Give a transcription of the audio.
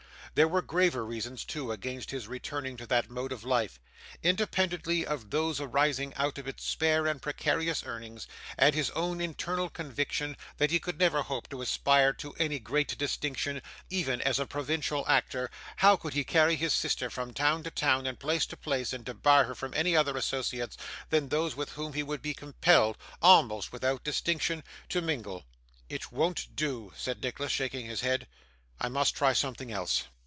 There were graver reasons, too, against his returning to that mode of life. Independently of those arising out of its spare and precarious earnings, and his own internal conviction that he could never hope to aspire to any great distinction, even as a provincial actor, how could he carry his sister from town to town, and place to place, and debar her from any other associates than those with whom he would be compelled, almost without distinction, to mingle? 'It won't do,' said Nicholas, shaking his head; 'I must try something else.